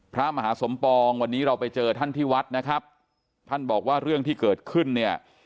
พระมหาสมปองวันนี้เราไปเจอท่านที่วัดนะครับท่านบอกว่าเรื่องที่เกิดขึ้นเนี่ย